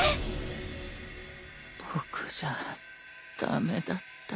僕じゃ駄目だった。